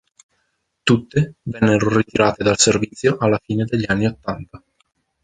Tutte vennero ritirate dal servizio alla fine degli anni ottanta.